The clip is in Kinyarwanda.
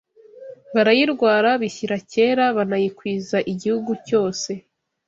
Barayirwara bishyira kera Banayikwiza igihugu cyose